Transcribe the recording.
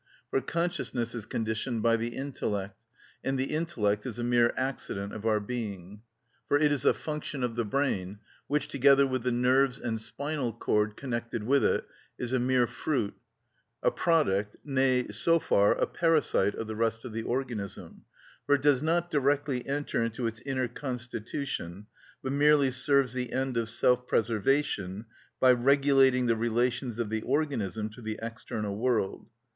For consciousness is conditioned by the intellect, and the intellect is a mere accident of our being; for it is a function of the brain, which, together with the nerves and spinal cord connected with it, is a mere fruit, a product, nay, so far, a parasite of the rest of the organism; for it does not directly enter into its inner constitution, but merely serves the end of self preservation by regulating the relations of the organism to the external world.